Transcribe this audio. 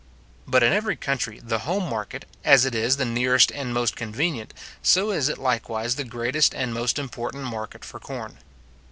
But in every country, the home market, as it is the nearest and most convenient, so is it likewise the greatest and most important market for corn.